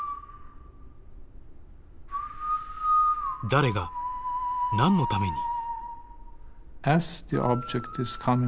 誰が何のために？